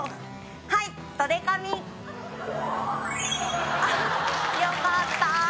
はいドデカミンあっよかった